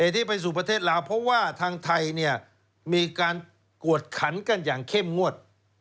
ที่ไปสู่ประเทศลาวเพราะว่าทางไทยเนี่ยมีการกวดขันกันอย่างเข้มงวด